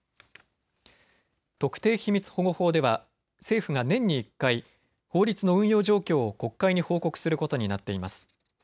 特定秘密保護法では政府が年に１回、法律の運用状況を国会に報告することになっています。